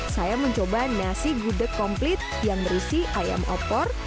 saya mencoba nasi gudeg komplit yang berisi ayam opor